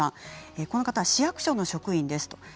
この方は市役所の職員ですと。